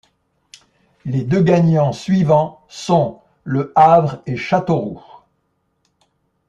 Les deux gagnants suivants sont Le Havre et Châteauroux.